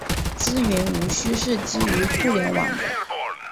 资源无需是基于互联网的。